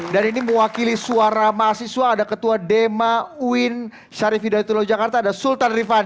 dan ini mewakili suara mahasiswa ada ketua dema uin syarif hidayatullah jakarta ada sultan rifani